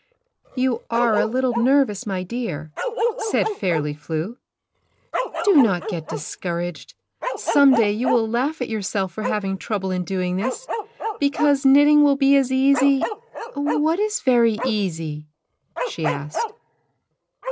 "You are a little nervous, my dear," said Fairly Flew. "Do not get discouraged. Some day you will laugh at yourself for having trouble in doing this, because knitting will be as easy — what is very easy?" she asked.